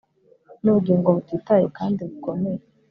nubugingo butitaye kandi bukomeye